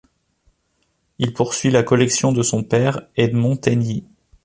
Il poursuit la collection de son père, Edmond Taigny.